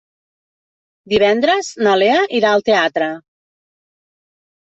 Divendres na Lea irà al teatre.